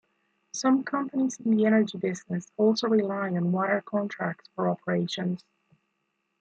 Some companies in the energy business also rely on water contracts for operations.